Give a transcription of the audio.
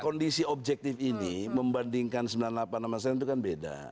kondisi objektif ini membandingkan sembilan puluh delapan sama saya itu kan beda